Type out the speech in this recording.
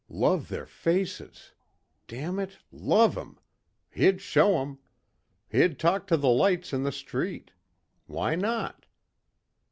Love their faces. Damn it! Love 'em.... He'd show 'em. He'd talk to the lights in the street. Why not?